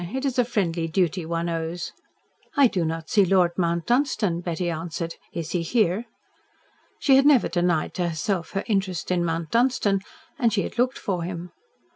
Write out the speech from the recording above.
It is a friendly duty one owes." "I do not see Lord Mount Dunstan," Betty answered. "Is he here?" She had never denied to herself her interest in Mount Dunstan, and she had looked for him.